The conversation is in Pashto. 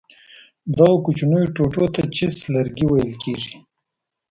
دغو کوچنیو ټوټو ته چپس لرګي ویل کېږي.